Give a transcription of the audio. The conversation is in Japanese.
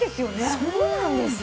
そうなんですよ。